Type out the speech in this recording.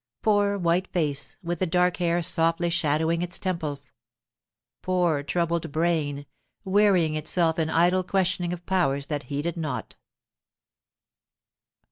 Poor white face, with the dark hair softly shadowing its temples! Poor troubled brain, wearying itself in idle questioning of powers that heeded not!